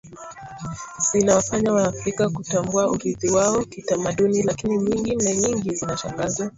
zinawafanya Waafrika kutambua urithi wao kitamaduni lakini nyingine nyingi zinashangaza